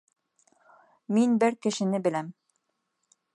Мин бер кешене беләм.